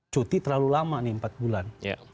cuti terlalu lama nih empat bulan